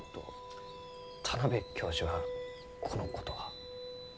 田邊教授はこのことは？